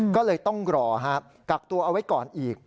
ก็เลยต้องรอกักตัวเอาไว้ก่อนอีก